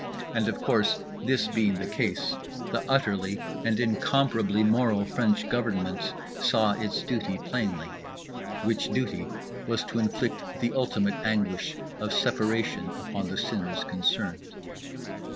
And of course, this being the case, the utterly and incomparably moral French Government saw its duty plainly; which duty was to inflict the ultimate anguish of separation upon the sinners concerned.